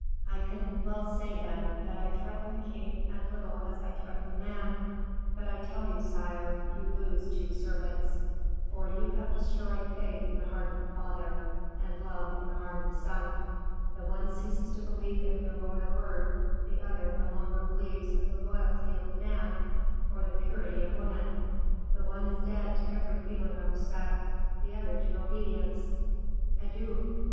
I can well say, then, that I threaten the king as little as I threaten the man; but I tell you, sire, you lose two servants; for you have destroyed faith in the heart of the father, and love in the heart of the son; the one ceases to believe in the royal word, the other no longer believes in the loyalty of the man, or the purity of woman: the one is dead to every feeling of respect, the other to obedience. Adieu!"